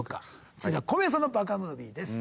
続いては小宮さんのＢＡＫＡムービーです。